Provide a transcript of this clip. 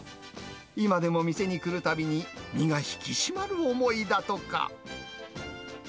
今でも店に来るたびに、身が引き締まる思いだとか。